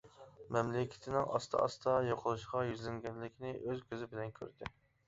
مەملىكىتىنىڭ ئاستا-ئاستا يوقىلىشقا يۈزلەنگەنلىكىنى ئۆز كۈزى بىلەن كۆردى.